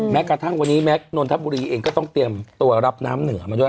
แม้กระทั่งวันนี้แม้นนทบุรีเองก็ต้องเตรียมตัวรับน้ำเหนือมาด้วย